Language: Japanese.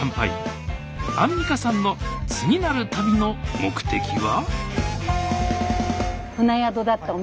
アンミカさんの次なる旅の目的は？